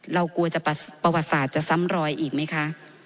เรากลัวจะประวัติศาสตร์จะซ้ำรอยอีกไหมคะ